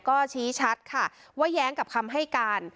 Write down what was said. ก็ชี้ชัดค่ะว่าแย้งกับคำให้การ